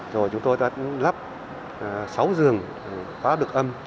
rồi chúng tôi đã lắp sáu giường khóa đực âm